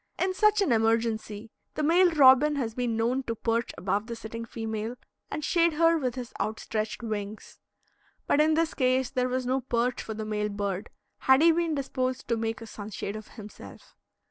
In such an emergency the male robin has been known to perch above the sitting female and shade her with his outstretched wings. But in this case there was no perch for the male bird, had he been disposed to make a sunshade of himself.